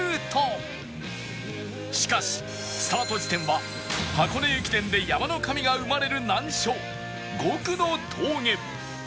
しかしスタート地点は箱根駅伝で山の神が生まれる難所５区の峠